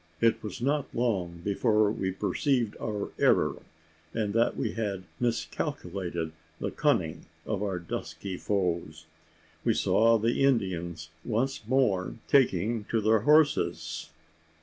It was not long before we perceived our error; and that we had miscalculated the cunning of our dusky foes. We saw the Indians once more taking to their horses.